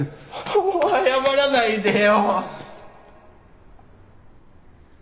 謝らないでよ！